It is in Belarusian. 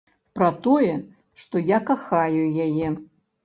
Пра тое, што я кахаю яе.